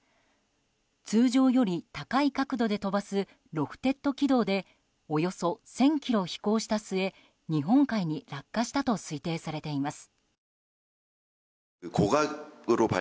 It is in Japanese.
通常より高い角度で飛ばすロフテッド軌道でおよそ１０００ｋｍ飛行した末日本海に落下したと推定されています。